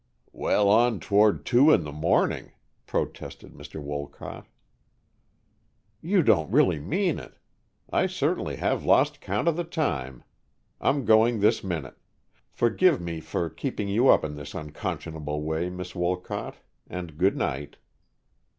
"Well on toward two in the morning," protested Mr. Wolcott. "You don't really mean it! I certainly have lost count of the time. I'm going this minute. Forgive me for keeping you up in this unconscionable way. Miss Wolcott. And good night."